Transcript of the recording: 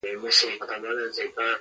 ډېر ښکلی ښار وو.